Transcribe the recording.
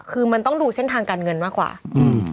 คือมันต้องดูเส้นทางการเงินมากกว่าอืม